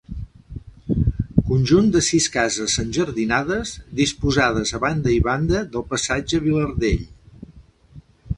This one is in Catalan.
Conjunt de sis cases enjardinades, disposades a banda i banda del passatge Vilardell.